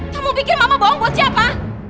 kamu bikin mama bawang buat siapa